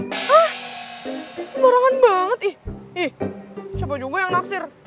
hah sembarangan banget ih siapa juga yang naksir